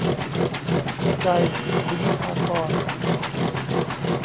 ใจ อึ๊งภากรณ์